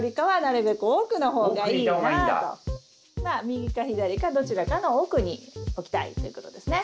右か左かどちらかの奥に置きたいっていうことですね。